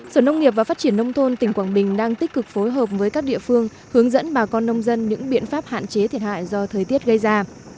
sở nông nghiệp và phát triển nông thôn tỉnh quảng bình đang tích cực phối hợp với các địa phương hướng dẫn bà con nông dân những biện pháp hạn chế thiệt hại do thời tiết gây ra